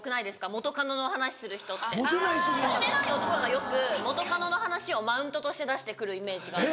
元カノの話する人ってモテない男がよく元カノの話をマウントとして出してくるイメージがある。